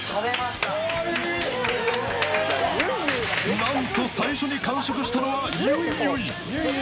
なんと、最初に完食したのはゆいゆい。